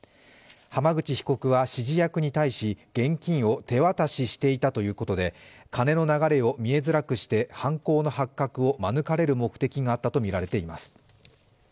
浜口被告は、指示役に対し現金を手渡ししていたということで金の流れを見えづらくして犯行の発覚を免れる目的があったとみられています。